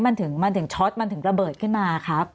มันถึงมันถึงช็อตมันถึงระเบิดขึ้นมาครับ